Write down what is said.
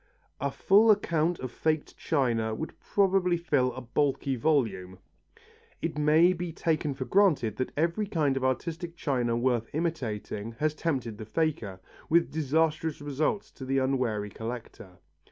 A full account of faked china would probably fill a bulky volume. It may be taken for granted that every kind of artistic china worth imitating has tempted the faker, with disastrous results to the unwary collector.